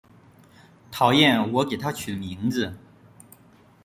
讨厌我给她取的名字